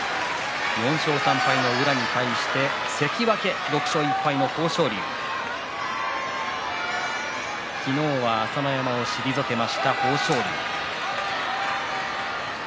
４勝３敗の宇良に対して関脇６勝１敗の豊昇龍昨日は朝乃山を退けました豊昇龍。